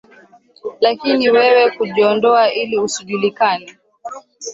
lakini wewe kujiondoa ili usijulikane